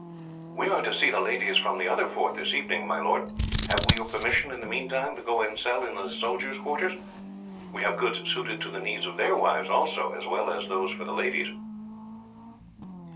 "We are to see the ladies from the other fort this evening, my lord," Surajah said. "Have we your permission, in the meantime, to go and sell in the soldiers' quarters? We have goods suited to the needs of their wives also, as well as those for the ladies."